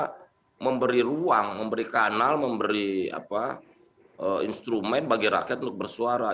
karena memberi ruang memberi kanal memberi instrumen bagi rakyat untuk bersuara